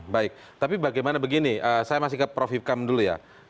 baik tapi bagaimana begini saya masih ke prof hipkam dulu ya